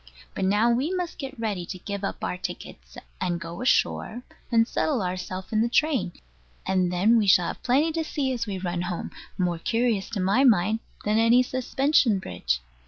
But now we must get ready to give up our tickets, and go ashore, and settle ourselves in the train; and then we shall have plenty to see as we run home; more curious, to my mind, than any suspension bridge.